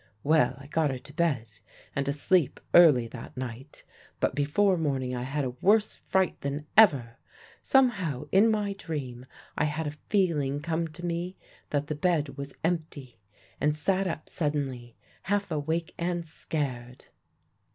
"Well, I got her to bed and asleep early that night; but before morning I had a worse fright than ever. Somehow in my dream I had a feeling come to me that the bed was empty, and sat up suddenly, half awake and scared.